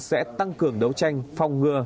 sẽ tăng cường đấu tranh phong ngừa